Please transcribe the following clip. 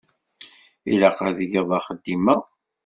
Ilaq ad tgeḍ axeddim-a.